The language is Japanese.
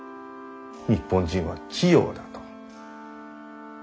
日本人は器用だと。